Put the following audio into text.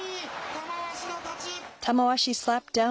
玉鷲の勝ち。